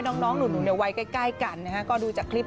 น้องหนูในวัยใกล้กันนะฮะก็ดูจากคลิป